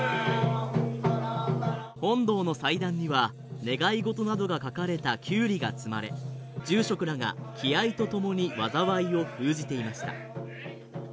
本堂の祭壇には願い事などが書かれたきゅうりが積まれ、住職らが気合いとともに災いを封じていました。